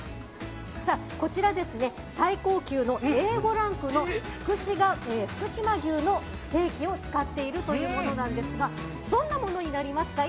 こちら、最高級のＡ５ランクの福島牛のステーキを使っているということですがどんなものになりますか？